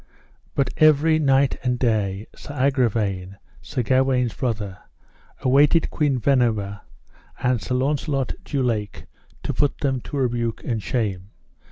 But every night and day Sir Agravaine, Sir Gawaine's brother, awaited Queen Guenever and Sir Launcelot du Lake to put them to a rebuke and shame.